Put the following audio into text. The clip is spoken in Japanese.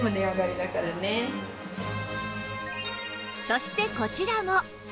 そしてこちらも